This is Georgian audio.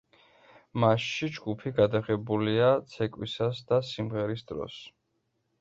მასში ჯგუფი გადაღებულია ცეკვისას და სიმღერის დროს.